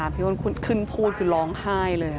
พี่อ้นขึ้นพูดคือร้องไห้เลย